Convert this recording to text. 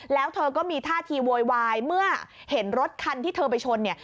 แล้วเธอก็มีท่าทีโวยวายเมื่อเห็นรถคันที่เธอไปชนเนี่ย